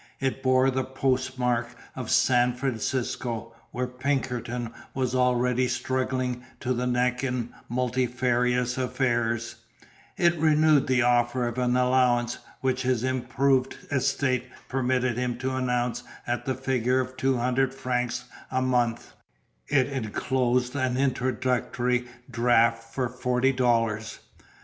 It bore the postmark of San Francisco, where Pinkerton was already struggling to the neck in multifarious affairs: it renewed the offer of an allowance, which his improved estate permitted him to announce at the figure of two hundred francs a month; and in case I was in some immediate pinch, it enclosed an introductory draft for forty dollars.